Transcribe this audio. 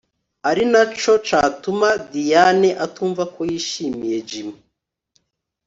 arinaco catuma Diane atumvako yishimiye Jimmy……